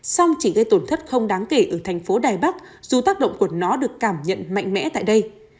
song chỉ gây tổn thất không đáng kể ở thành phố đài bắc dù tác động của nó được cảm nhận mạnh mẽ tại đây